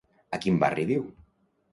A quin barri viu?